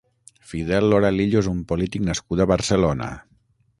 Fidel Lora Lillo és un polític nascut a Barcelona.